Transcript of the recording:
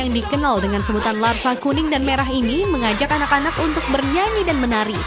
yang dikenal dengan sebutan larva kuning dan merah ini mengajak anak anak untuk bernyanyi dan menari